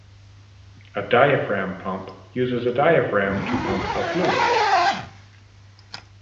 A diaphragm pump uses a diaphragm to pump a fluid.